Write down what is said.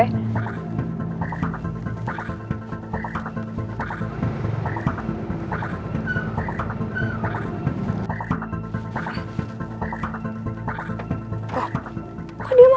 nah katanya artist kok